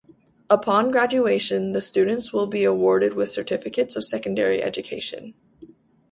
Upon graduation the students will be awarded with certificates of secondary education.